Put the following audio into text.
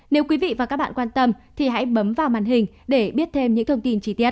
nếu quý vị và các bạn quan tâm thì hãy bấm vào màn hình để biết thêm những thông tin chi tiết